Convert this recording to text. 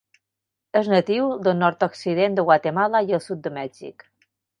És natiu del nord-occident de Guatemala i el sud de Mèxic.